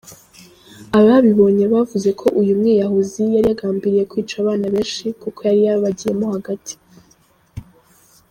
Ababibonye bavuze ko uyu mwiyahuzi yari yagambiriye kwica abana benshi kuko yabagiyemo hagati.